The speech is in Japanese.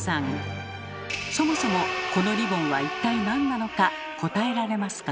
そもそもこのリボンは一体なんなのか答えられますか？